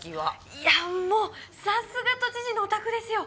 いやもうさすが都知事のお宅ですよ！